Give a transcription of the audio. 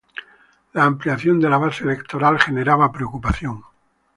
La ampliación de la base electoral generaba preocupación.